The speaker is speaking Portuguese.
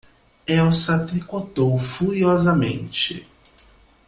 Elsa tricotou furiosamente.